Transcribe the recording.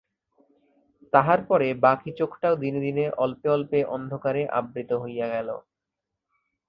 তাহার পরে বাকি চোখটাও দিনে দিনে অল্পে অল্পে অন্ধকারে আবৃত হইয়া গেল।